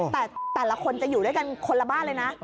แต่แต่ละคนจะอยู่ด้วยกันคนละบ้านเลยนะ